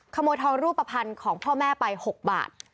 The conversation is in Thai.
ขโมยทองรูปภัณฑ์ของพ่อแม่ไป๖บาท